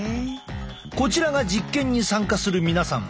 こちらが実験に参加する皆さん。